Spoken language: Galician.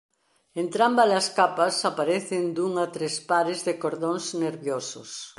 Entrámbalas capas aparecen dun a tres pares de cordóns nerviosos.